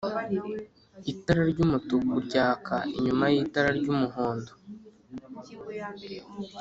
itara ry’umutuku ryaka nyuma y’itara ry’umuhondo